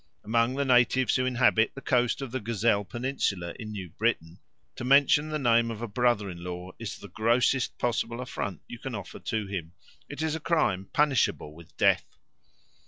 Among the natives who inhabit the coast of the Gazelle Peninsula in New Britain to mention the name of a brother in law is the grossest possible affront you can offer to him; it is a crime punishable with death.